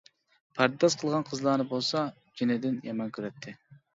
پەرداز قىلغان قىزلارنى بولسا جېنىدىن يامان كۆرەتتى.